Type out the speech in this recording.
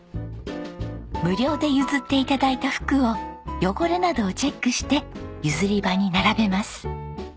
無料で譲って頂いた服を汚れなどをチェックしてゆずりばに並べます。